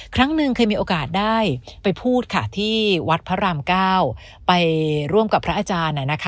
ครั้งหนึ่งเคยมีโอกาสได้ไปพูดค่ะที่วัดพระราม๙ไปร่วมกับพระอาจารย์